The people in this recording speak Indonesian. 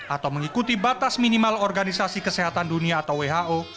atau mengikuti batas minimal organisasi kesehatan dunia atau who